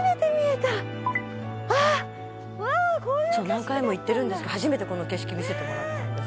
「何回も行ってるんですけど初めてこの景色見せてもらったんです」